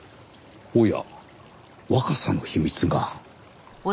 おや若さの秘密が？